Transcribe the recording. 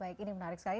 baik ini menarik sekali